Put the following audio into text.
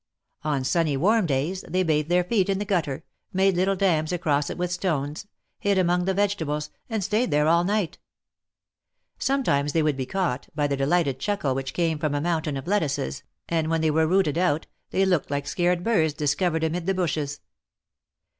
On sunny, warm days they bathed their feet in the gutter, made little dams across it with stones, hid among the vegetables, and stayed there all night. Sometimes they would be caught, by the delighted chuckle which came from a mountain of lettuces, and when they were rooted out, they looked like scared birds dis covered amid the bushes.